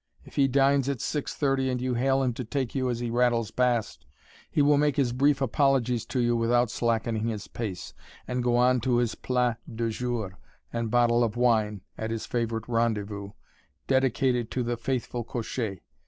If he dines at six thirty and you hail him to take you as he rattles past, he will make his brief apologies to you without slackening his pace, and go on to his plat du jour and bottle of wine at his favorite rendezvous, dedicated to "The Faithful Cocher."